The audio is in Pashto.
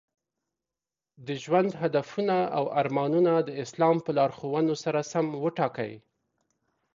د ژوند هدفونه او ارمانونه د اسلام په لارښوونو سره سم وټاکئ.